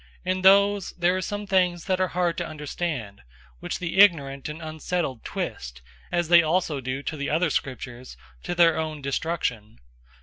In those, there are some things that are hard to understand, which the ignorant and unsettled twist, as they also do to the other Scriptures, to their own destruction.